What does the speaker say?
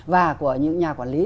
và của những nhà quản lý